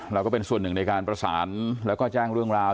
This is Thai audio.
ก็เป็นส่วนหนึ่งในการประสานแล้วก็แจ้งเรื่องราว